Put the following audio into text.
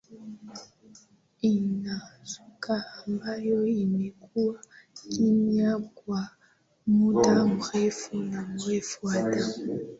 inazuka ambayo imekuwa kimya kwa muda mrefu na mrefu Hata